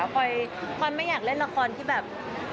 พลอยไม่อยากเล่นละครที่แบบ